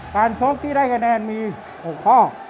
ชกที่ได้คะแนนมี๖ข้อ